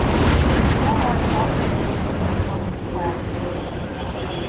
The airline offers business and economy class seating.